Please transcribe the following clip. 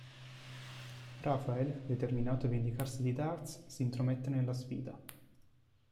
Rafael, determinato a vendicarsi di Dartz, si intromette nella sfida.